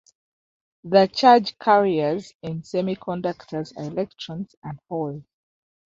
The charge carriers in semiconductors are electrons and holes.